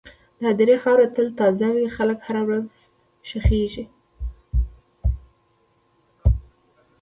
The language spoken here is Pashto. د هدیرې خاوره تل تازه وي، خلک هره ورځ ښخېږي.